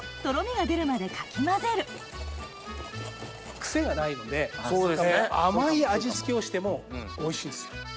クセがないので甘い味付けをしてもおいしいんですよ。